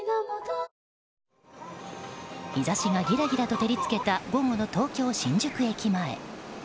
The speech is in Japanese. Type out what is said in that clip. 日差しがギラギラと照り付けた午後の東京・新宿駅前。